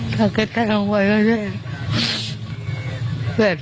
ถ้ากระแต่ข้างบนก็เยอะ